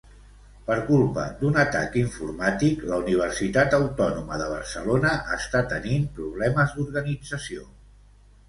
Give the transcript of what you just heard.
Per culpa d'un atac informàtic, la Universitat Autònoma de Barcelona està tenint problemes d'organització.